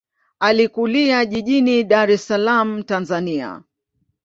Alikulia jijini Dar es Salaam, Tanzania.